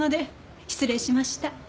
失礼しました。